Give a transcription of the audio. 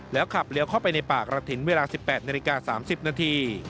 ขับเลี้ยวเข้าไปในปากกระถิ่นเวลา๑๘นาฬิกา๓๐นาที